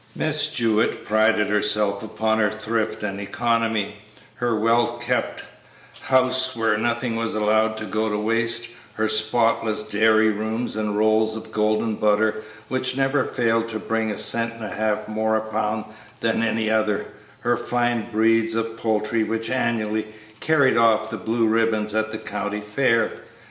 Miss Jewett prided herself upon her thrift and economy; her well kept house where nothing was allowed to go to waste; her spotless dairy rooms and rolls of golden butter which never failed to bring a cent and a half more a pound than any other; her fine breeds of poultry which annually carried off the blue ribbons at the county fair.